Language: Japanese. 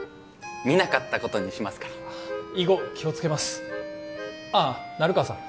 見なかったことにしますから以後気をつけますああ成川さん